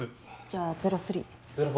じゃあゼロ３。